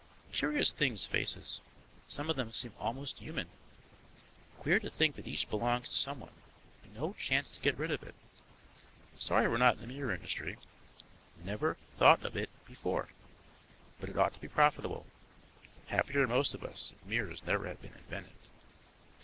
Curious things faces some of them seem almost human; queer to think that each belongs to someone and no chance to get rid of it; sorry we're not in the mirror industry; never thought of it before, but it ought to be profitable. Happier most of us, if mirrors never had been invented.